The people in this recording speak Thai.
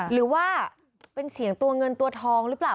หรือว่าเป็นเสียงตัวเงินตัวทองหรือเปล่า